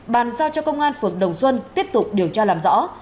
bàn giao cho công an phường đồng xuân tiếp tục điều tra làm rõ